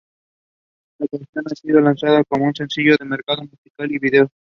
La canción no ha sido lanzada como sencillo al mercado musical y de videos.